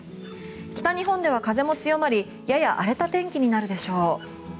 北日本では風も強まりやや荒れた天気になるでしょう。